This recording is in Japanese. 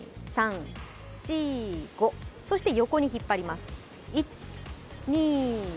そして、横に引っ張ります。